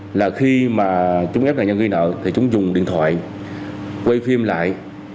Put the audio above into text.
tuy hơn là khi mà chúng ép nạn nhân ghi nợ thì chúng dùng điện thoại quay phim lại